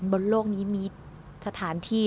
บนโลกนี้มีสถานที่